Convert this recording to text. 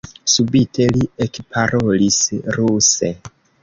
Subite li ekparolis ruse: